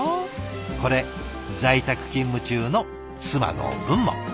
これ在宅勤務中の妻の分も。